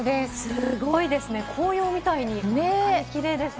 すごいですね、紅葉みたいにキレイですね。